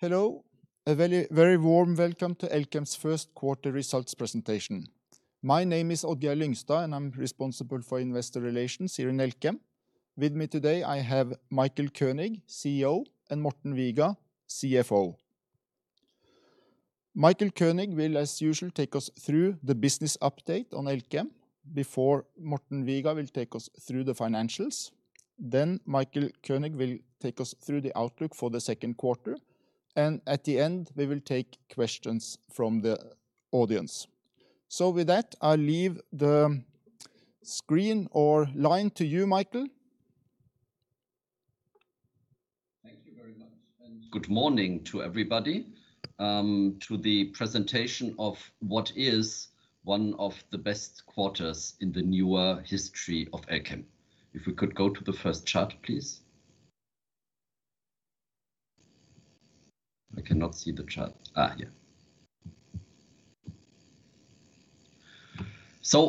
Hello. A very warm welcome to Elkem's first quarter results presentation. My name is Odd-Geir Lyngstad, and I'm responsible for Investor Relations here in Elkem. With me today I have Michael Koenig, CEO, and Morten Viga, CFO. Michael Koenig will, as usual, take us through the business update on Elkem before Morten Viga will take us through the financials. Then Michael Koenig will take us through the outlook for the second quarter, and at the end we will take questions from the audience. With that, I leave the screen or line to you, Michael. Good morning to everybody, to the presentation of what is one of the best quarters in the newer history of Elkem. If we could go to the first chart, please. I cannot see the chart. Here.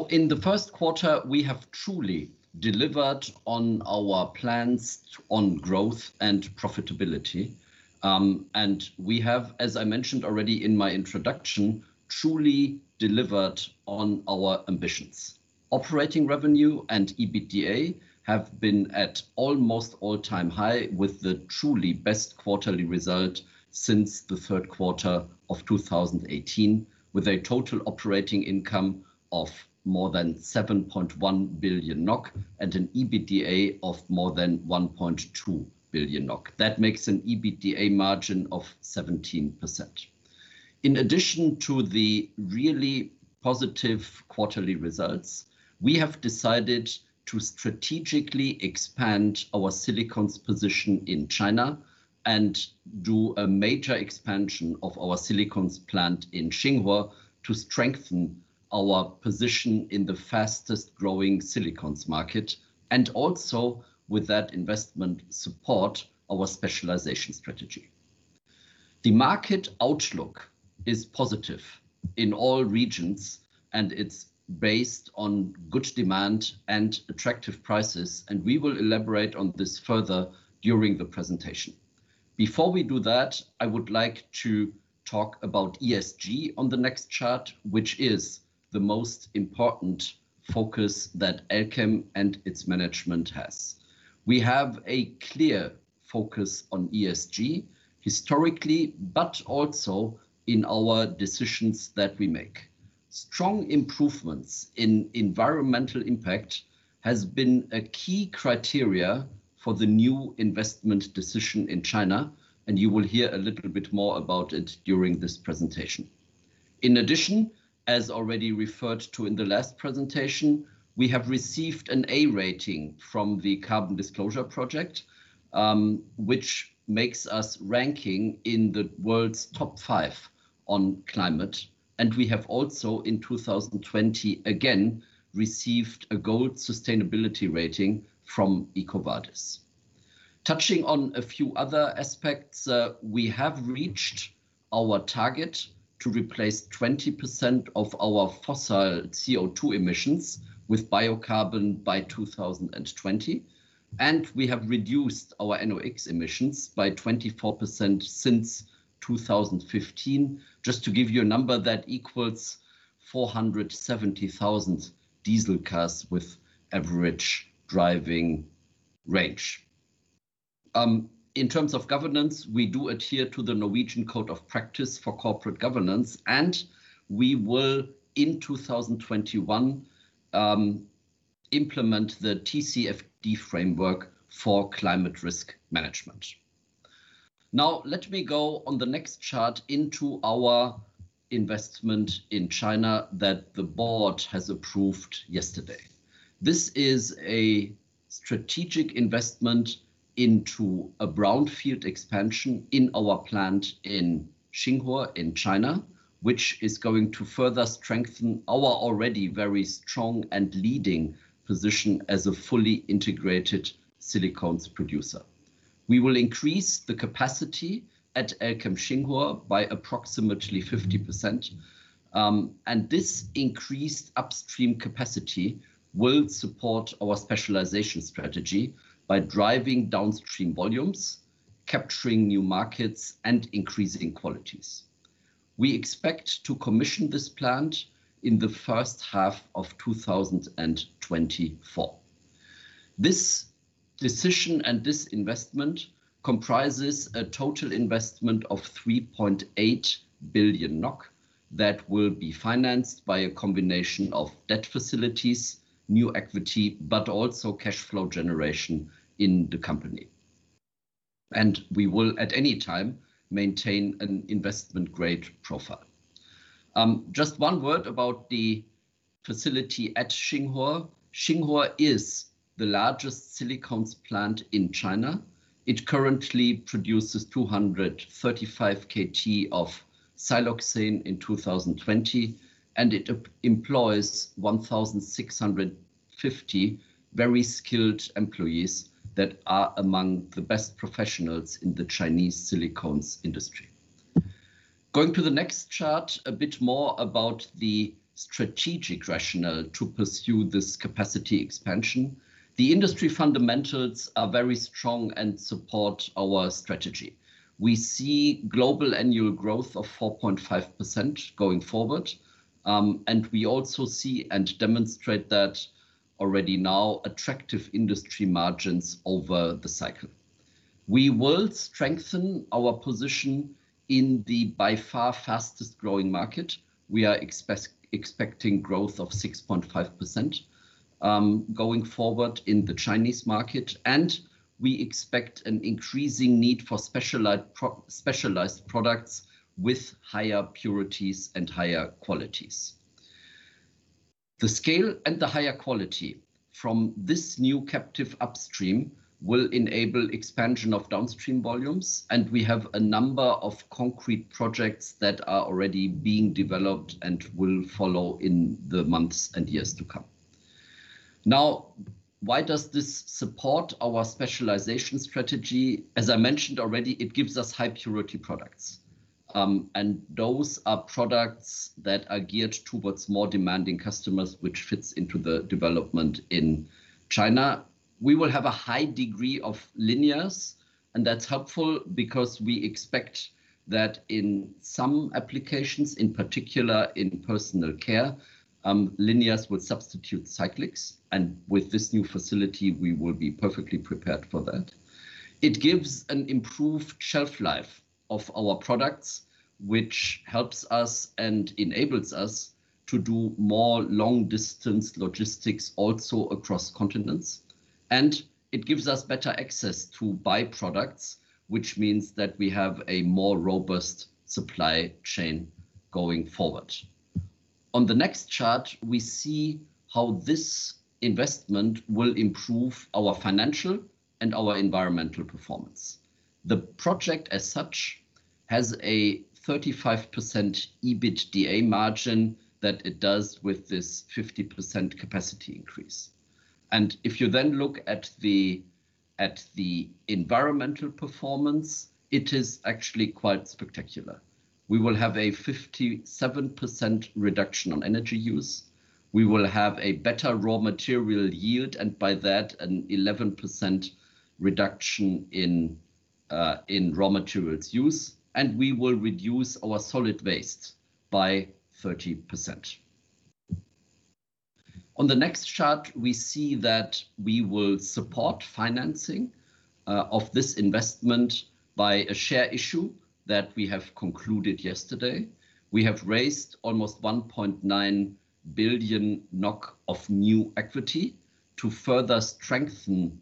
In the first quarter, we have truly delivered on our plans on growth and profitability. We have, as I mentioned already in my introduction, truly delivered on our ambitions. Operating revenue and EBITDA have been at almost all-time high, with the truly best quarterly result since the third quarter of 2018, with a total operating income of more than 7.1 billion NOK and an EBITDA of more than 1.2 billion NOK. That makes an EBITDA margin of 17%. In addition to the really positive quarterly results, we have decided to strategically expand our silicones position in China and do a major expansion of our silicones plant in Xinghuo to strengthen our position in the fastest-growing silicones market. Also, with that investment, support our specialization strategy. The market outlook is positive in all regions. It's based on good demand and attractive prices. We will elaborate on this further during the presentation. Before we do that, I would like to talk about ESG on the next chart, which is the most important focus that Elkem and its management has. We have a clear focus on ESG historically. Also in our decisions that we make. Strong improvements in environmental impact has been a key criteria for the new investment decision in China. You will hear a little bit more about it during this presentation. As already referred to in the last presentation, we have received an A rating from the Carbon Disclosure Project, which makes us ranking in the world's top five on climate. We have also, in 2020, again received a gold sustainability rating from EcoVadis. Touching on a few other aspects, we have reached our target to replace 20% of our fossil CO2 emissions with biocarbon by 2020, and we have reduced our NOx emissions by 24% since 2015. Just to give you a number, that equals 470,000 diesel cars with average driving range. In terms of governance, we do adhere to the Norwegian Code of Practice for Corporate Governance, we will, in 2021, implement the TCFD framework for climate risk management. Let me go on the next chart into our investment in China that the board has approved yesterday. This is a strategic investment into a brownfield expansion in our plant in Xinghuo, in China, which is going to further strengthen our already very strong and leading position as a fully integrated silicones producer. We will increase the capacity at Elkem Xinghuo by approximately 50%. This increased upstream capacity will support our specialization strategy by driving downstream volumes, capturing new markets, and increasing qualities. We expect to commission this plant in the first half of 2024. This decision and this investment comprises a total investment of 3.8 billion NOK that will be financed by a combination of debt facilities, new equity, but also cash flow generation in the company. We will, at any time, maintain an investment-grade profile. Just one word about the facility at Xinghuo. Xinghuo is the largest silicones plant in China. It currently produces 235 KT of siloxane in 2020, and it employs 1,650 very skilled employees that are among the best professionals in the Chinese silicones industry. Going to the next chart, a bit more about the strategic rationale to pursue this capacity expansion. The industry fundamentals are very strong and support our strategy. We see global annual growth of 4.5% going forward, and we also see and demonstrate that already now attractive industry margins over the cycle. We will strengthen our position in the, by far, fastest growing market. We are expecting growth of 6.5% going forward in the Chinese market, and we expect an increasing need for specialized products with higher purities and higher qualities. The scale and the higher quality from this new captive upstream will enable expansion of downstream volumes, and we have a number of concrete projects that are already being developed and will follow in the months and years to come. Now, why does this support our specialization strategy? As I mentioned already, it gives us high-purity products, and those are products that are geared towards more demanding customers, which fits into the development in China. We will have a high degree of linears, and that's helpful because we expect that in some applications, in particular in personal care, linears will substitute cyclics. With this new facility, we will be perfectly prepared for that. It gives an improved shelf life of our products, which helps us and enables us to do more long-distance logistics also across continents. It gives us better access to byproducts, which means that we have a more robust supply chain going forward. On the next chart, we see how this investment will improve our financial and our environmental performance. The project as such has a 35% EBITDA margin that it does with this 50% capacity increase. If you then look at the environmental performance, it is actually quite spectacular. We will have a 57% reduction on energy use. We will have a better raw material yield, and by that, an 11% reduction in raw materials use, and we will reduce our solid waste by 30%. On the next chart, we see that we will support financing of this investment by a share issue that we have concluded yesterday. We have raised almost 1.9 billion NOK of new equity to further strengthen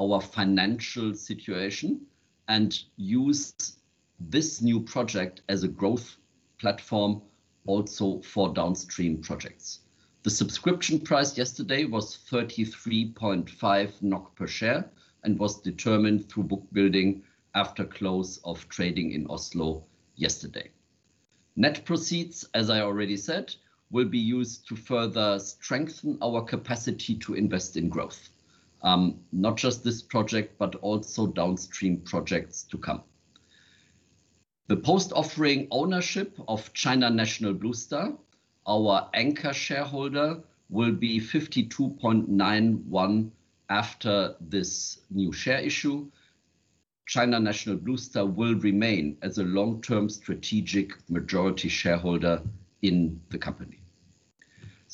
our financial situation and use this new project as a growth platform also for downstream projects. The subscription price yesterday was 33.5 NOK per share and was determined through book building after close of trading in Oslo yesterday. Net proceeds, as I already said, will be used to further strengthen our capacity to invest in growth. Not just this project, but also downstream projects to come. The post-offering ownership of China National Bluestar, our anchor shareholder, will be 52.91% after this new share issue. China National Bluestar will remain as a long-term strategic majority shareholder in the company.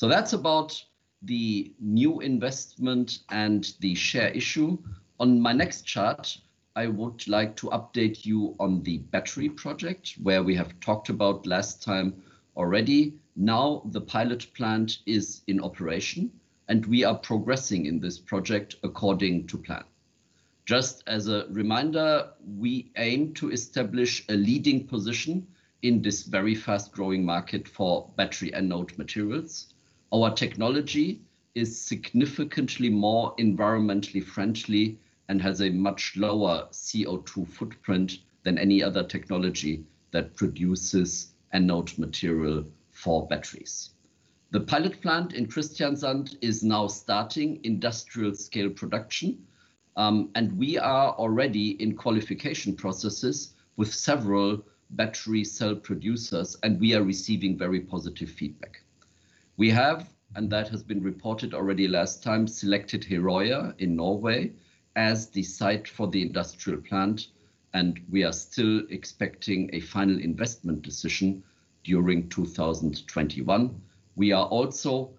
That's about the new investment and the share issue. On my next chart, I would like to update you on the battery project, where we have talked about last time already. Now the pilot plant is in operation, and we are progressing in this project according to plan. Just as a reminder, we aim to establish a leading position in this very fast-growing market for battery anode materials. Our technology is significantly more environmentally friendly and has a much lower CO2 footprint than any other technology that produces anode material for batteries. The pilot plant in Kristiansand is now starting industrial scale production, and we are already in qualification processes with several battery cell producers, and we are receiving very positive feedback. We have, and that has been reported already last time, selected Herøya in Norway as the site for the industrial plant, and we are still expecting a final investment decision during 2021. We are also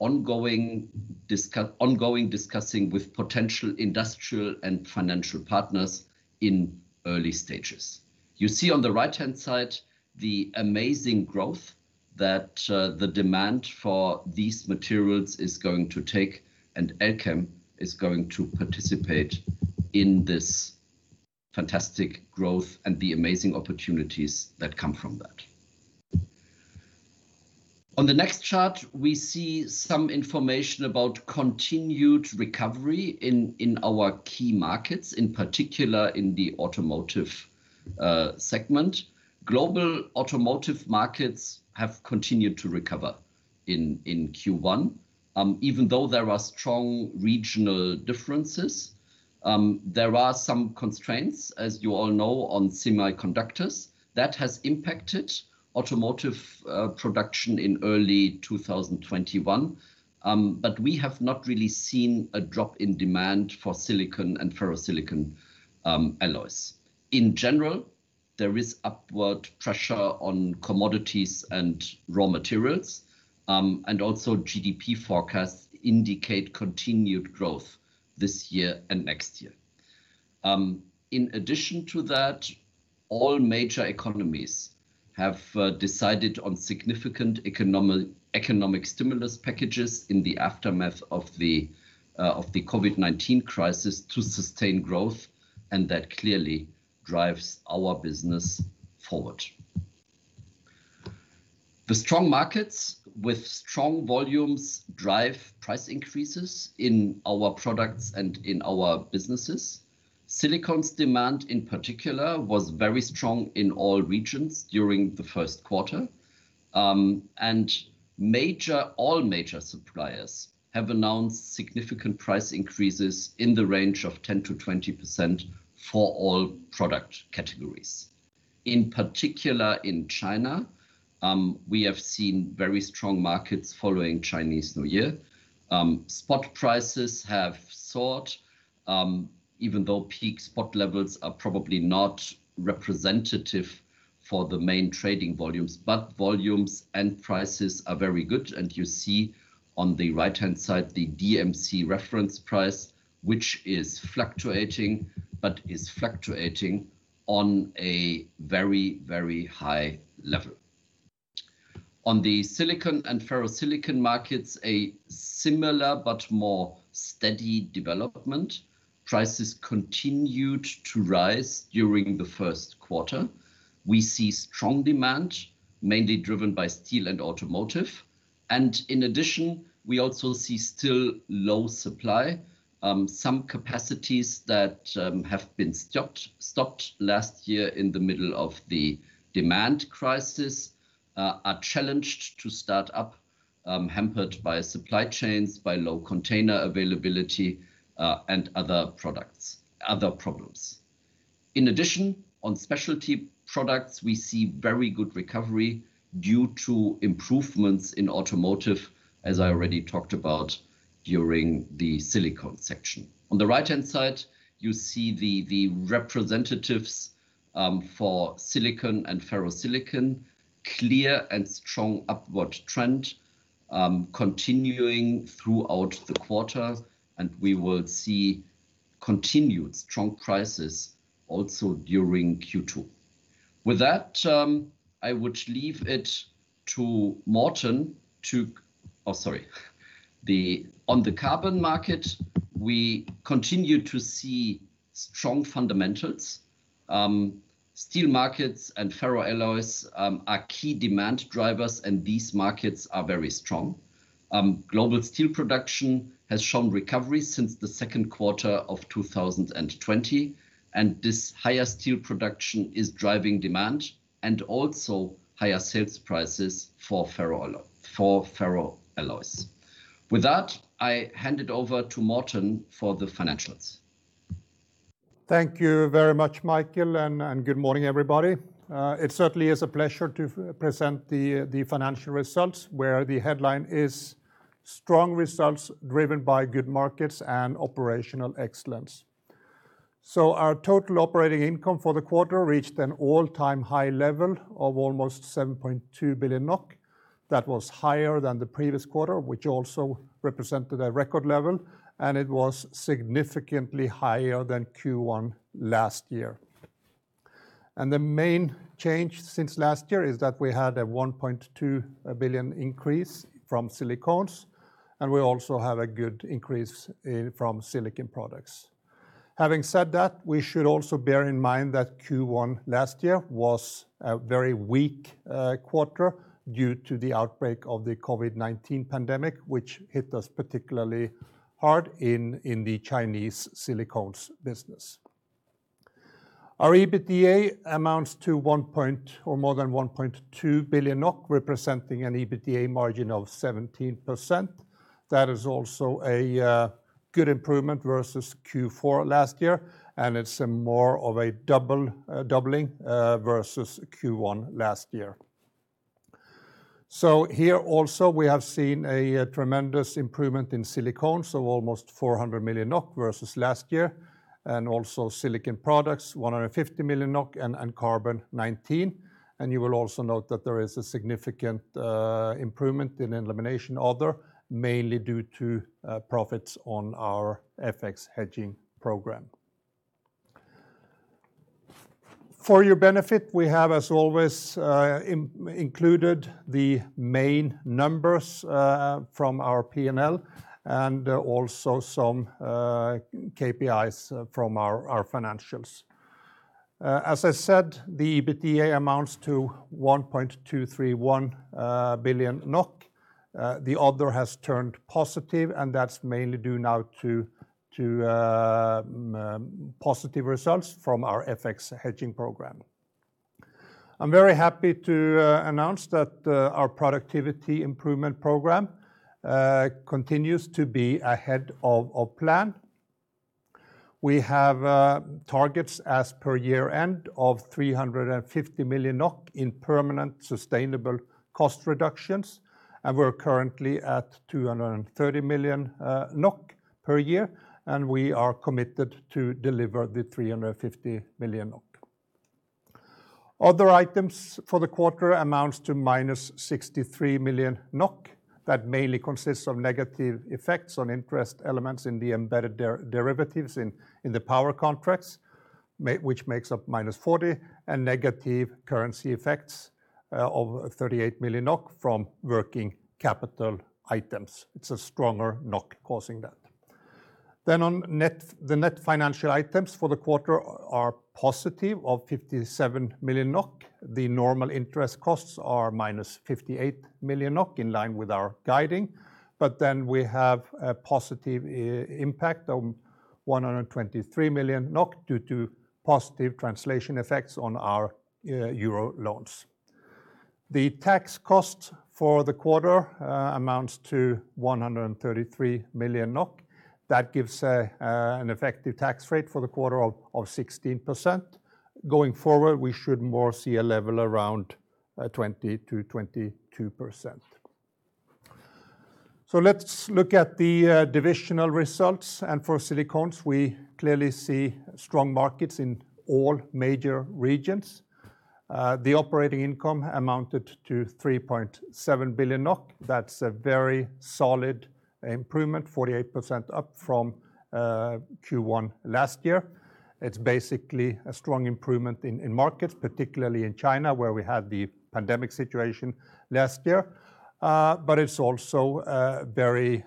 ongoing discussing with potential industrial and financial partners in early stages. You see on the right-hand side the amazing growth that the demand for these materials is going to take, and Elkem is going to participate in this fantastic growth and the amazing opportunities that come from that. On the next chart, we see some information about continued recovery in our key markets, in particular in the automotive segment. Global automotive markets have continued to recover in Q1, even though there are strong regional differences, there are some constraints, as you all know, on semiconductors. That has impacted automotive production in early 2021. We have not really seen a drop in demand for silicon and ferrosilicon alloys. In general, there is upward pressure on commodities and raw materials, and also GDP forecasts indicate continued growth this year and next year. In addition to that, all major economies have decided on significant economic stimulus packages in the aftermath of the COVID-19 crisis to sustain growth. That clearly drives our business forward. The strong markets with strong volumes drive price increases in our products and in our businesses. Silicones demand, in particular, was very strong in all regions during the first quarter. All major suppliers have announced significant price increases in the range of 10%-20% for all product categories. In particular, in China, we have seen very strong markets following Chinese New Year. Spot prices have soared, even though peak spot levels are probably not representative for the main trading volumes. Volumes and prices are very good, and you see on the right-hand side the DMC reference price, which is fluctuating but is fluctuating on a very high level. On the silicon and ferrosilicon markets, a similar but more steady development. Prices continued to rise during the first quarter. We see strong demand, mainly driven by steel and automotive. In addition, we also see still low supply. Some capacities that have been stopped last year in the middle of the demand crisis are challenged to start up, hampered by supply chains, by low container availability, and other problems. In addition, on specialty products, we see very good recovery due to improvements in automotive, as I already talked about during the silicon section. On the right-hand side, you see the representatives for silicon and ferrosilicon, clear and strong upward trend continuing throughout the quarter, and we will see continued strong prices also during Q2. With that, I would leave it to Morten. On the carbon market, we continue to see strong fundamentals. Steel markets and ferroalloys are key demand drivers, and these markets are very strong. Global steel production has shown recovery since the second quarter of 2020, and this higher steel production is driving demand and also higher sales prices for ferroalloys. With that, I hand it over to Morten for the financials. Thank you very much, Michael, and good morning, everybody. It certainly is a pleasure to present the financial results, where the headline is strong results driven by good markets and operational excellence. Our total operating income for the quarter reached an all-time high level of almost 7.2 billion NOK. That was higher than the previous quarter, which also represented a record level, and it was significantly higher than Q1 last year. The main change since last year is that we had a 1.2 billion increase from Silicones, and we also have a good increase from Silicon Products. Having said that, we should also bear in mind that Q1 last year was a very weak quarter due to the outbreak of the COVID-19 pandemic, which hit us particularly hard in the Chinese Silicones business. Our EBITDA amounts to more than 1.2 billion NOK, representing an EBITDA margin of 17%. That is also a good improvement versus Q4 last year, and it's more of a doubling versus Q1 last year. Here also, we have seen a tremendous improvement in Silicones, almost 400 million NOK versus last year, and also Silicon Products, 150 million NOK, and Carbon, 19 million. You will also note that there is a significant improvement in elimination other, mainly due to profits on our FX hedging program. For your benefit, we have, as always, included the main numbers from our P&L and also some KPIs from our financials. As I said, the EBITDA amounts to 1.231 billion NOK. The other has turned positive, and that's mainly due now to positive results from our FX hedging program. I'm very happy to announce that our productivity improvement program continues to be ahead of plan. We have targets as per year-end of 350 million NOK in permanent sustainable cost reductions, and we're currently at 230 million NOK per year, and we are committed to deliver the 350 million NOK. Other items for the quarter amounts to -63 million NOK. That mainly consists of negative effects on interest elements in the embedded derivatives in the power contracts, which makes up -40 million, and negative currency effects of 38 million NOK from working capital items. It's a stronger NOK causing that. On the net financial items for the quarter are positive of 57 million NOK. The normal interest costs are -58 million NOK, in line with our guiding, we have a positive impact of 123 million due to positive translation effects on our Euro loans. The tax cost for the quarter amounts to 133 million NOK. That gives an effective tax rate for the quarter of 16%. Going forward, we should more see a level around 20%-22%. Let's look at the divisional results. For Silicones, we clearly see strong markets in all major regions. The operating income amounted to 3.7 billion NOK. That's a very solid improvement, 48% up from Q1 last year. It's basically a strong improvement in markets, particularly in China, where we had the pandemic situation last year. It's also very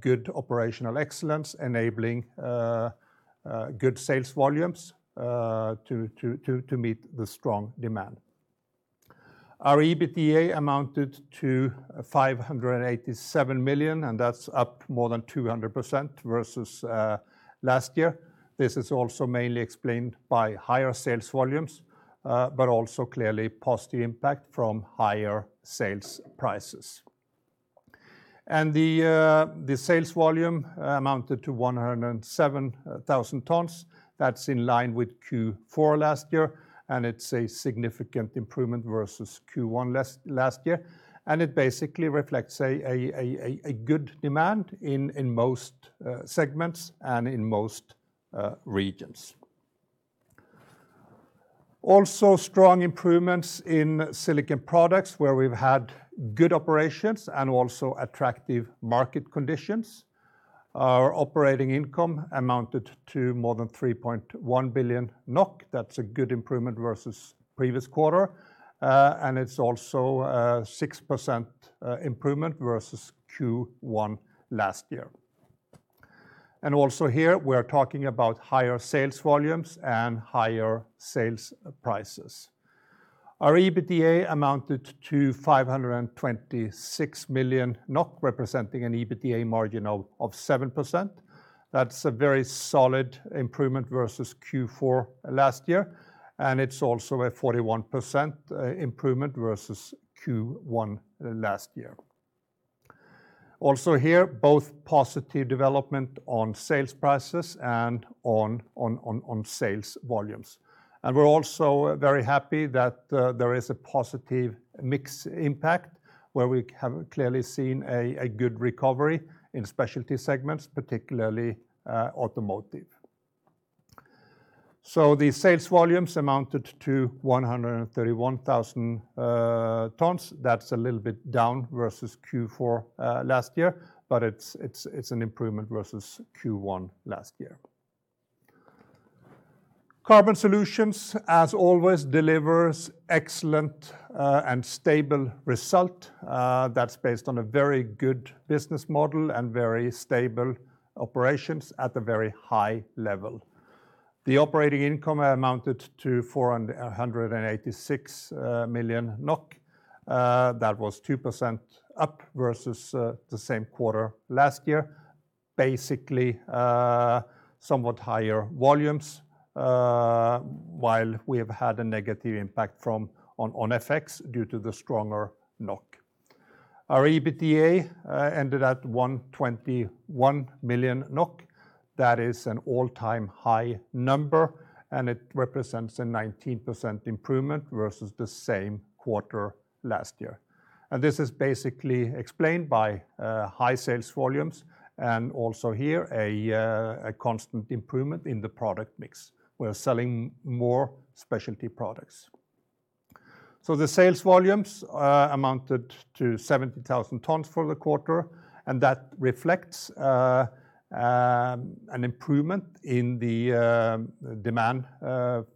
good operational excellence, enabling good sales volumes to meet the strong demand. Our EBITDA amounted to 587 million, that's up more than 200% versus last year. This is also mainly explained by higher sales volumes, also clearly positive impact from higher sales prices. The sales volume amounted to 107,000 tons. That's in line with Q4 last year, it's a significant improvement versus Q1 last year. It basically reflects a good demand in most segments and in most regions. Also strong improvements in Silicon Products, where we've had good operations and also attractive market conditions. Our operating income amounted to more than 3.1 billion NOK. That's a good improvement versus the previous quarter. It's also a 6% improvement versus Q1 last year. Also here, we are talking about higher sales volumes and higher sales prices. Our EBITDA amounted to 526 million, representing an EBITDA margin of 7%. That's a very solid improvement versus Q4 last year, it's also a 41% improvement versus Q1 last year. Also here, both positive development on sales prices and on sales volumes. We are also very happy that there is a positive mix impact, where we have clearly seen a good recovery in specialty segments, particularly automotive. The sales volumes amounted to 131,000 tons. That's a little bit down versus Q4 last year, but it's an improvement versus Q1 last year. Carbon Solutions, as always, delivers excellent and stable result. That's based on a very good business model and very stable operations at a very high level. The operating income amounted to 486 million NOK. That was 2% up versus the same quarter last year. Basically, somewhat higher volumes, while we have had a negative impact on effects due to the stronger NOK. Our EBITDA ended at 121 million NOK. That is an all-time high number, and it represents a 19% improvement versus the same quarter last year. This is basically explained by high sales volumes, and also here, a constant improvement in the product mix. We're selling more specialty products. The sales volumes amounted to 70,000 tons for the quarter, and that reflects an improvement in the demand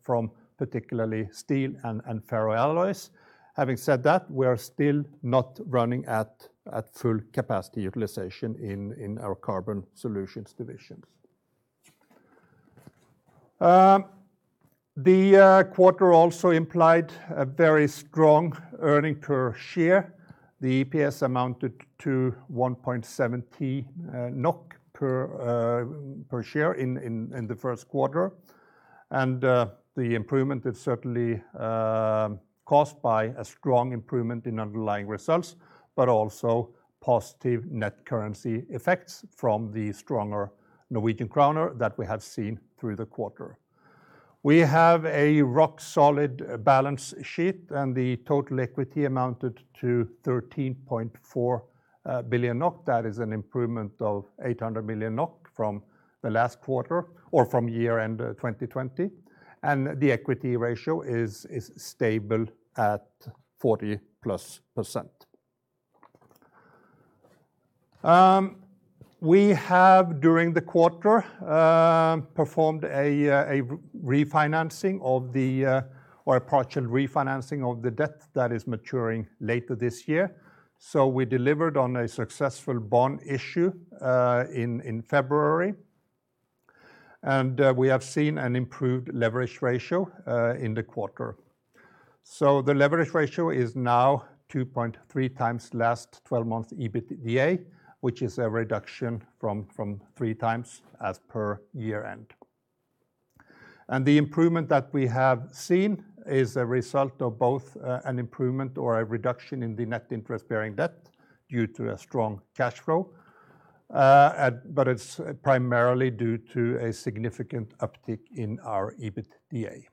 from particularly steel and ferroalloys. Having said that, we are still not running at full capacity utilization in our Carbon Solutions divisions. The quarter also implied a very strong earning per share. The EPS amounted to 1.70 NOK per share in the first quarter, and the improvement is certainly caused by a strong improvement in underlying results, but also positive net currency effects from the stronger Norwegian kroner that we have seen through the quarter. We have a rock-solid balance sheet, and the total equity amounted to 13.4 billion NOK. That is an improvement of 800 million NOK from the last quarter, or from year-end 2020, and the equity ratio is stable at 40%+. We have, during the quarter, performed a partial refinancing of the debt that is maturing later this year. We delivered on a successful bond issue in February, and we have seen an improved leverage ratio in the quarter. The leverage ratio is now 2.3x last 12 months EBITDA, which is a reduction from 3x as per year-end. The improvement that we have seen is a result of both an improvement or a reduction in the net interest-bearing debt due to a strong cash flow, but it's primarily due to a significant uptick in our EBITDA.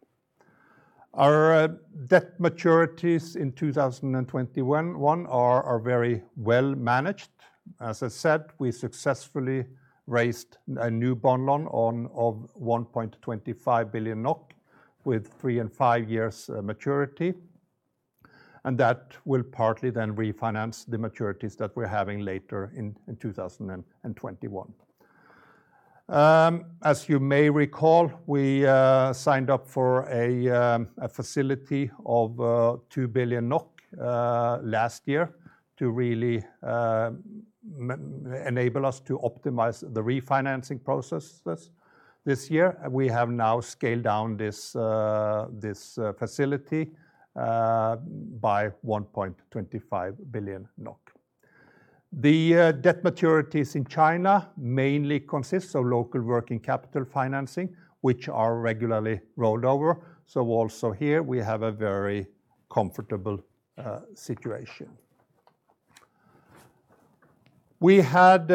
Our debt maturities in 2021 are very well managed. As I said, we successfully raised a new bond loan of 1.25 billion NOK with three and five years maturity, and that will partly then refinance the maturities that we're having later in 2021. As you may recall, we signed up for a facility of 2 billion NOK last year to really enable us to optimize the refinancing processes this year. We have now scaled down this facility by NOK 1.25 billion. Also here, we have a very comfortable situation. We had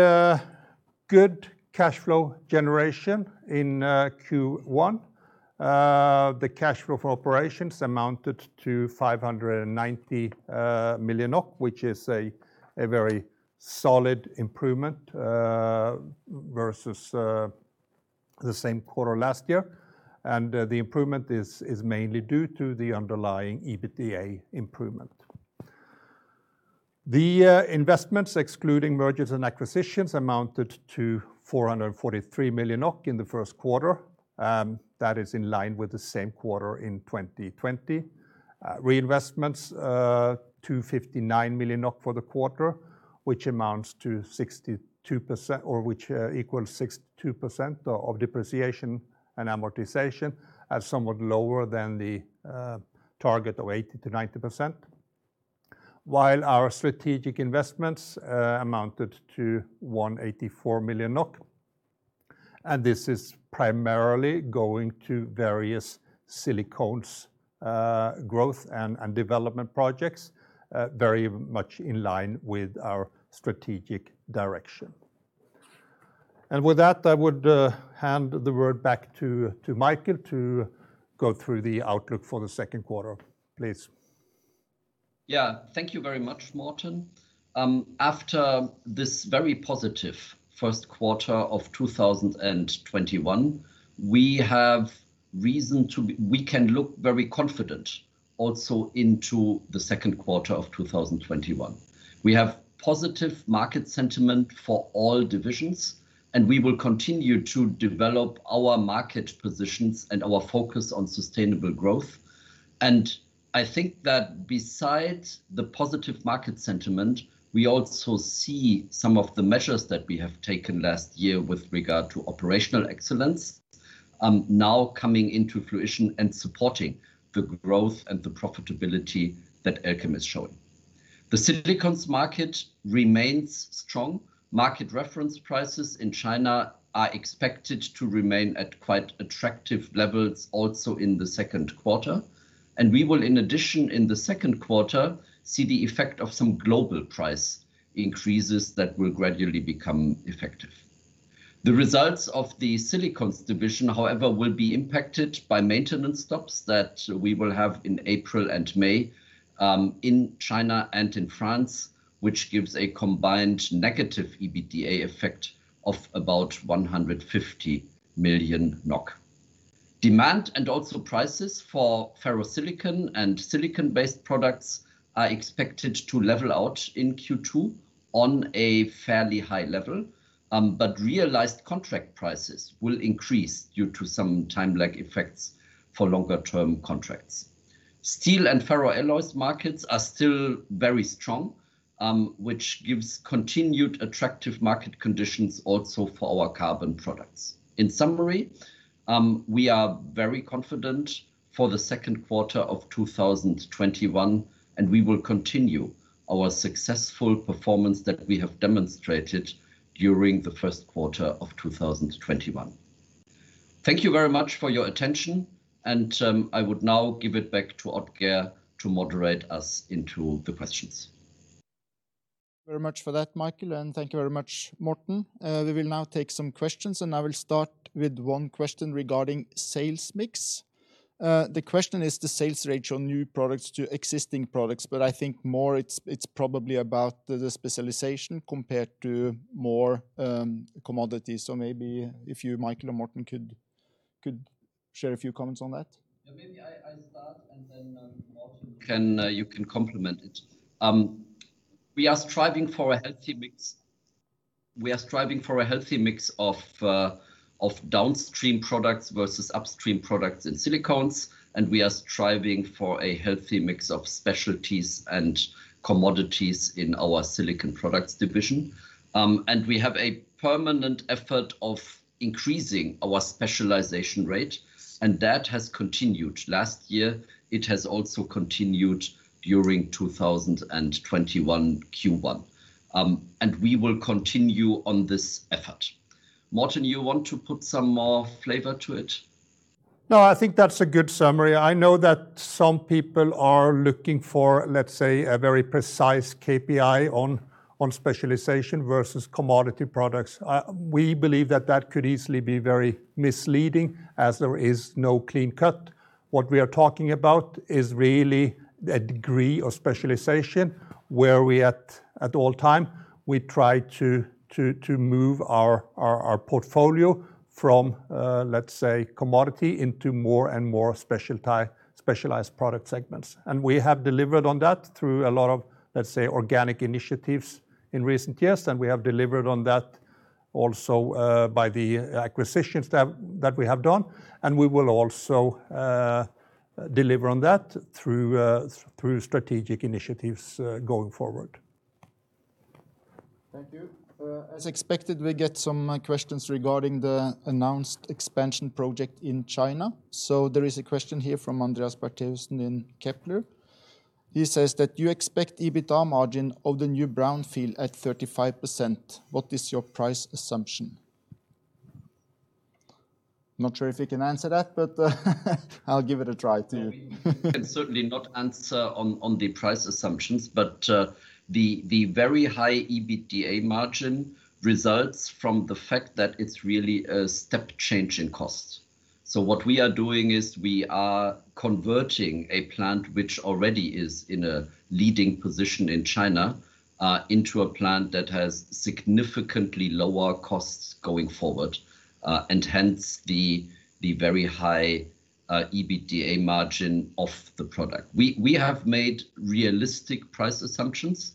good cash flow generation in Q1. The cash flow for operations amounted to 590 million, which is a very solid improvement versus the same quarter last year, and the improvement is mainly due to the underlying EBITDA improvement. The investments, excluding mergers and acquisitions, amounted to 443 million in the first quarter. That is in line with the same quarter in 2020. Reinvestments, 259 million for the quarter, which equals 62% of depreciation and amortization, is somewhat lower than the target of 80%-90%. Our strategic investments amounted to 184 million NOK, and this is primarily going to various silicones growth and development projects, very much in line with our strategic direction. With that, I would hand the word back to Michael to go through the outlook for the second quarter. Please. Yeah. Thank you very much, Morten. After this very positive first quarter of 2021, we can look very confident also into the second quarter of 2021. We have positive market sentiment for all divisions, and we will continue to develop our market positions and our focus on sustainable growth. I think that besides the positive market sentiment, we also see some of the measures that we have taken last year with regard to operational excellence now coming into fruition and supporting the growth and the profitability that Elkem is showing. The silicones market remains strong. Market reference prices in China are expected to remain at quite attractive levels also in the second quarter, and we will, in addition, in the second quarter, see the effect of some global price increases that will gradually become effective. The results of the Silicones division, however, will be impacted by maintenance stops that we will have in April and May in China and in France, which gives a combined negative EBITDA effect of about 150 million NOK. Demand also prices for ferrosilicon and silicon-based products are expected to level out in Q2 on a fairly high level, but realized contract prices will increase due to some time lag effects for longer-term contracts. Steel and ferroalloys markets are still very strong, which gives continued attractive market conditions also for our carbon products. In summary, we are very confident for the second quarter of 2021, and we will continue our successful performance that we have demonstrated during the first quarter of 2021. Thank you very much for your attention, and I would now give it back to Odd-Geir to moderate us into the questions. Very much for that, Michael, and thank you very much, Morten. We will now take some questions. I will start with one question regarding sales mix. The question is the sales rate on new products to existing products. I think more it's probably about the specialization compared to more commodities. Maybe if you, Michael or Morten, could share a few comments on that. Maybe I start, and then, Morten, you can complement it. We are striving for a healthy mix of downstream products versus upstream products in silicones. We are striving for a healthy mix of specialties and commodities in our Silicon Products Division. We have a permanent effort of increasing our specialization rate. That has continued last year. It has also continued during 2021 Q1. We will continue on this effort. Morten, you want to put some more flavor to it? No, I think that's a good summary. I know that some people are looking for, let's say, a very precise KPI on specialization versus commodity products. We believe that that could easily be very misleading, as there is no clean cut. What we are talking about is really a degree of specialization where we, at all time, we try to move our portfolio from, let's say, commodity into more and more specialized product segments. We have delivered on that through a lot of, let's say, organic initiatives in recent years, and we have delivered on that also by the acquisitions that we have done, and we will also deliver on that through strategic initiatives going forward. As expected, we get some questions regarding the announced expansion project in China. There is a question here from Andreas Bertheussen in Kepler. He says that you expect EBITDA margin of the new brownfield at 35%. What is your price assumption? Not sure if you can answer that, but I'll give it a try to you. We can certainly not answer on the price assumptions. The very high EBITDA margin results from the fact that it's really a step change in costs. What we are doing is we are converting a plant which already is in a leading position in China, into a plant that has significantly lower costs going forward. Hence, the very high EBITDA margin of the product. We have made realistic price assumptions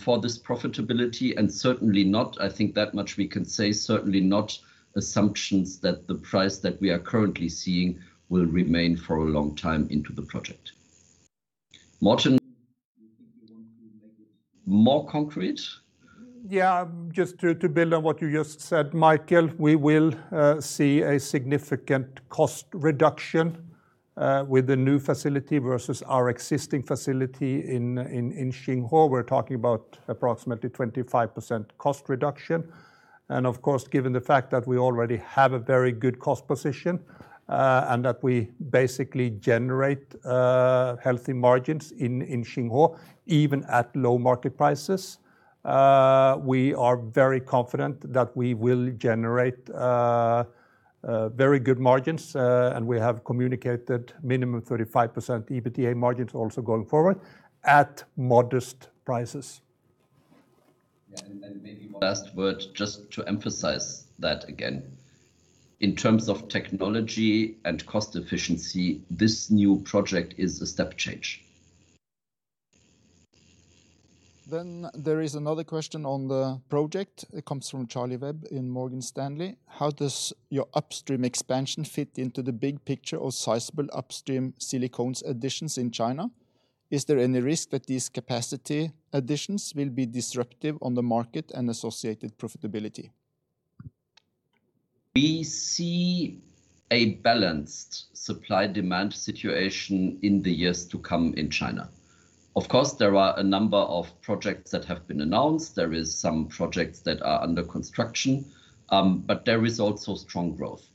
for this profitability, and certainly not, I think that much we can say, certainly not assumptions that the price that we are currently seeing will remain for a long time into the project. Morten, you think you want to make it more concrete? Yeah, just to build on what you just said, Michael, we will see a significant cost reduction, with the new facility versus our existing facility in Xinghuo. We're talking about approximately 25% cost reduction. Of course, given the fact that we already have a very good cost position, and that we basically generate healthy margins in Xinghuo, even at low market prices, we are very confident that we will generate very good margins. We have communicated minimum 35% EBITDA margins also going forward at modest prices. Yeah. Maybe last word, just to emphasize that again. In terms of technology and cost efficiency, this new project is a step change. There is another question on the project. It comes from Charlie Webb in Morgan Stanley. How does your upstream expansion fit into the big picture of sizable upstream silicones additions in China? Is there any risk that these capacity additions will be disruptive on the market and associated profitability? We see a balanced supply-demand situation in the years to come in China. Of course, there are a number of projects that have been announced. There is some projects that are under construction, there is also strong growth.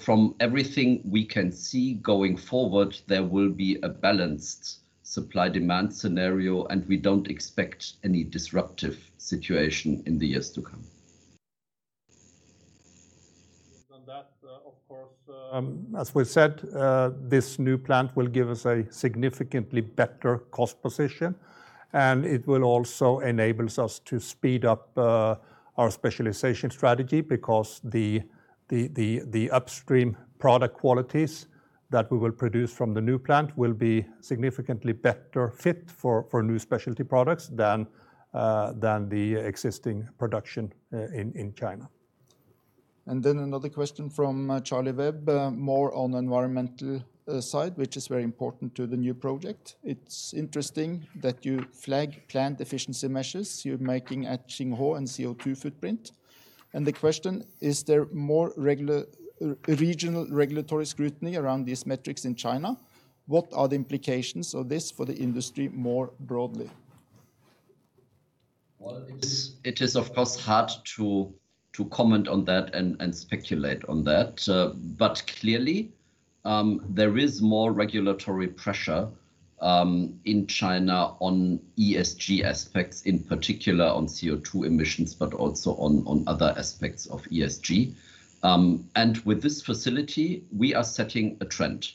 From everything we can see going forward, there will be a balanced supply-demand scenario, and we don't expect any disruptive situation in the years to come. Other than that, of course, as we've said, this new plant will give us a significantly better cost position, it will also enables us to speed up our specialization strategy because the upstream product qualities that we will produce from the new plant will be significantly better fit for new specialty products than the existing production in China. Another question from Charlie Webb, more on environmental side, which is very important to the new project. It's interesting that you flag plant efficiency measures you're making at Xinghuo and CO2 footprint. Is there more regional regulatory scrutiny around these metrics in China? What are the implications of this for the industry more broadly? It is, of course, hard to comment on that and speculate on that. Clearly, there is more regulatory pressure in China on ESG aspects, in particular on CO2 emissions, but also on other aspects of ESG. With this facility, we are setting a trend,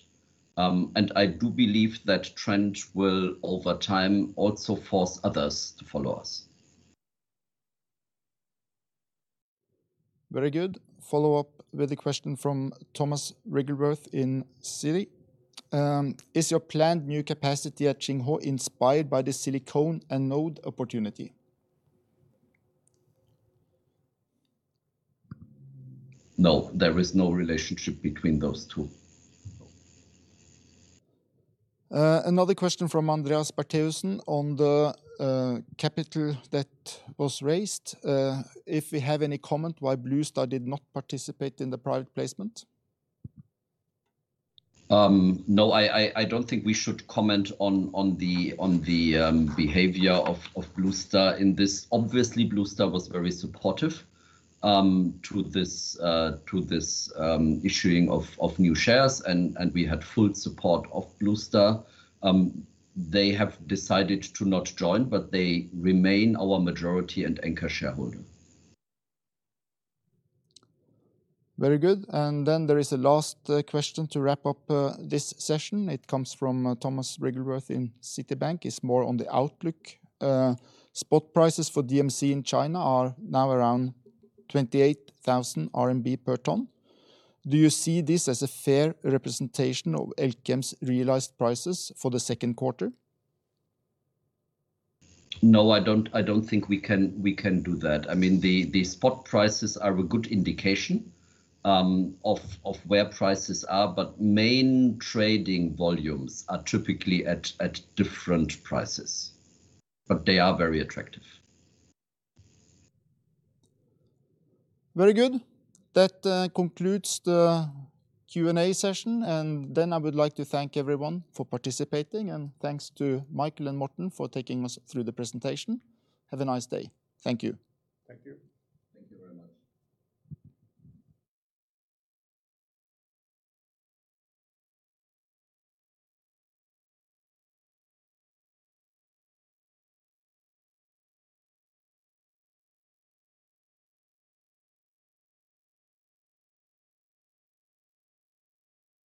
and I do believe that trend will, over time, also force others to follow us. Very good. Follow up with a question from Thomas Wrigglesworth in Citi. Is your planned new capacity at Xinghuo inspired by the silicone anode opportunity? No, there is no relationship between those two. Another question from Andreas Bertheussen on the capital that was raised. If we have any comment why Bluestar did not participate in the private placement? I don't think we should comment on the behavior of Bluestar in this. Obviously, Bluestar was very supportive to this issuing of new shares, and we had full support of Bluestar. They have decided to not join, but they remain our majority and anchor shareholder. Very good. There is a last question to wrap up this session. It comes from Thomas Wrigglesworth in Citibank. It is more on the outlook. Spot prices for DMC in China are now around 28,000 RMB per ton. Do you see this as a fair representation of Elkem's realized prices for the second quarter? I don't think we can do that. I mean, the spot prices are a good indication of where prices are, but main trading volumes are typically at different prices. They are very attractive. Very good. That concludes the Q&A session, and then I would like to thank everyone for participating, and thanks to Michael and Morten for taking us through the presentation. Have a nice day. Thank you. Thank you. Thank you very much.